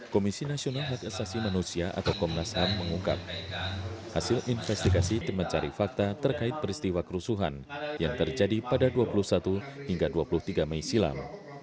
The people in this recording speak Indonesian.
komisi nasional hak asasi manusia atau komnas ham mengungkap hasil investigasi tim mencari fakta terkait peristiwa kerusuhan yang terjadi pada dua puluh satu hingga dua puluh tiga mei silam